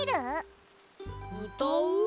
うたう？